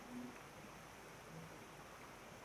Allí se encuentran establecimientos y grupos de mariachis.